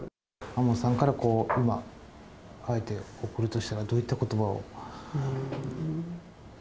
亞門さんから今、あえて贈るとしたら、どういったことばを。